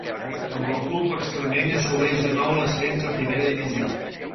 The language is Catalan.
Amb el club extremeny assoleix de nou l'ascens a primera divisió.